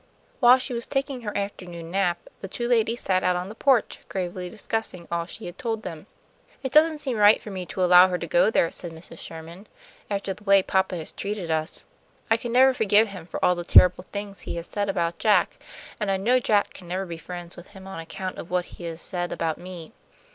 While she was taking her afternoon nap, the two ladies sat out on the porch, gravely discussing all she had told them. "It doesn't seem right for me to allow her to go there," said Mrs. Sherman, "after the way papa has treated us. I can never forgive him for all the terrible things he has said about Jack, and I know Jack can never be friends with him on account of what he has said about me.